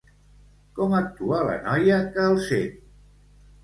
Com actua la noia que el sent?